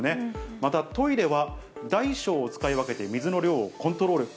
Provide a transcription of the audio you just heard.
またトイレは、大小使い分けて水の量をコントロール。